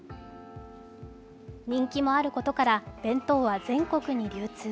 人気もあることから弁当は全国に流通。